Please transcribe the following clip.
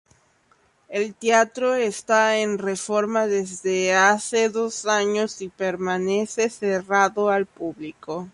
El teatro está en reforma desde hace dos años y permanece cerrado al público.